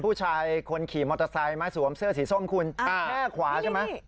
ผู้ชายคนขี่มอเตอร์ไซค์มาสวมเสื้อสีส้มคุณแค่ขวาใช่ไหม